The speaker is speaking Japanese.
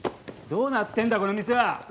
どうなってんだこの店は？